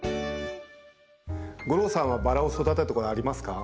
吾郎さんはバラを育てたことはありますか？